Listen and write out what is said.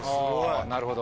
なるほど。